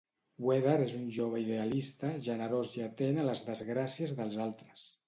Werther és un jove idealista, generós i atent a les desgràcies dels altres.